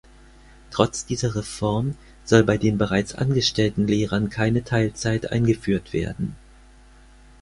Trotz dieser Reform soll bei den bereits angestellten Lehrern keine Teilzeit eingeführt werden.